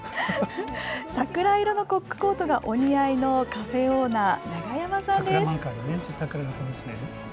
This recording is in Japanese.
桜色のコックコートがお似合いのカフェオーナー、永山さんです。